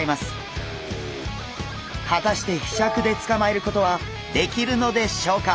果たしてひしゃくでつかまえることはできるのでしょうか？